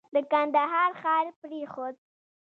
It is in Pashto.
د کندهار ښار پرېښود.